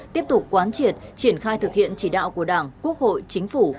tiếp tục quán triệt triển khai thực hiện chỉ đạo của đảng quốc hội chính phủ